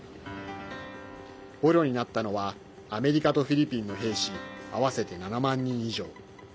捕虜になったのはアメリカとフィリピンの兵士合わせて７万人以上。